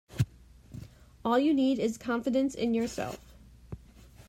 All you need is confidence in yourself.